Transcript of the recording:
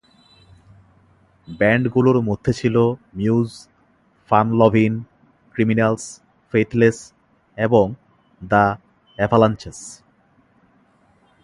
ব্যান্ডগুলোর মধ্যে ছিল Muse, Fun Lovin'' Criminals, Faithless এবং দ্য অ্যাভালাঞ্চেস।